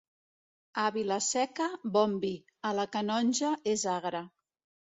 A Vila-seca, bon vi; a la Canonja és agre.